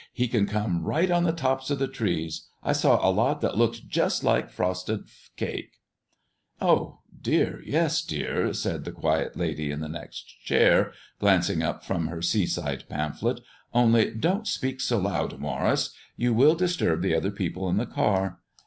He can come right on the tops of the trees: I saw a lot that looked just like frosted cake." "Yes, dear; yes, dear," said the quiet lady in the next chair, glancing up from her "Seaside" pamphlet. "Only don't speak so loud, Maurice. You will disturb the other people in the car."